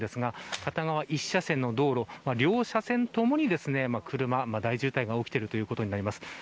片側１車線の道路両車線ともに車、大渋滞が起きていることになります。